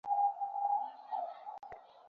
জিনার কী হবে?